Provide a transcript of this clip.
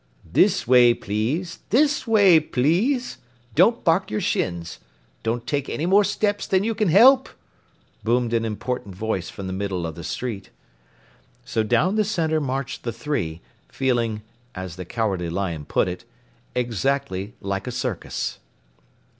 "This way, please! This way, please! Don't bark your shins. Don't take any more steps than you can help!" boomed an important voice from the middle of the street. So down the center marched the three, feeling as the Cowardly Lion put it exactly like a circus.